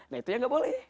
nah itu yang gak boleh